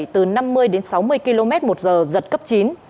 từ năm mươi đến sáu mươi km một giờ giật cấp chín